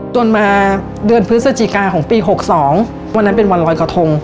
จนมาเดือนพฤศจิกาของปี๖๒วันนั้นเป็นวันรอยกระทง